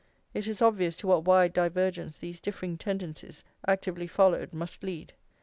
It is obvious to what wide divergence these differing tendencies, actively followed, must lead.